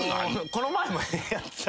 この前もやった。